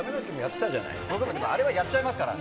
あれはやっちゃいますから。